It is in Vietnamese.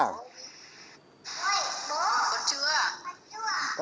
con ăn cơm chưa